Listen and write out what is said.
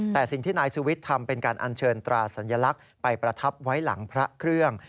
แต่สิ่งที่นายสุวิทย์ทำเป็นการอัญเชิญตราสัญลักษณ์ไปประทับไว้หลังพระเครื่อง